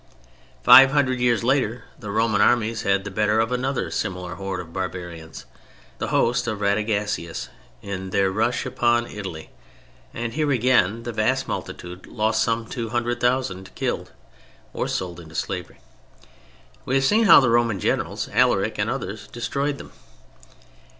Five hundred years later the Roman armies had the better of another similar horde of barbarians, the host of Radagasius, in their rush upon Italy; and here again the vast multitude lost some 200,000 killed or sold into slavery. We have seen how the Roman generals, Alaric and the others, destroyed them.